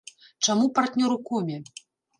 Чаму партнёр у коме?